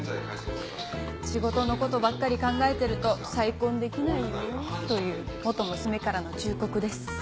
仕事の事ばっかり考えてると再婚できないよ。という元娘からの忠告です。